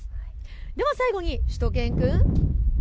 では最後にしゅと犬くん。